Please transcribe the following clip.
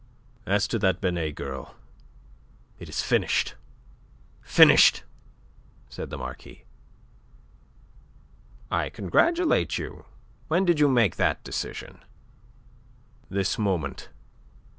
"As to that Binet girl, it is finished finished," said the Marquis. "I congratulate you. When did you make that decision?" "This moment.